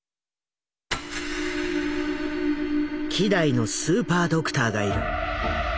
希代のスーパードクターがいる。